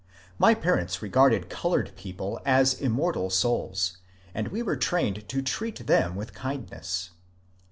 My parents regarded coloured people as immortal souls, and we were trained to treat them with kind ness.